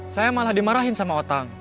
saya malah dimarahin sama otak